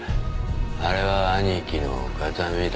あれは兄貴の形見だ。